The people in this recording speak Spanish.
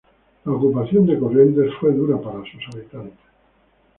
La ocupación de Corrientes fue dura para sus habitantes.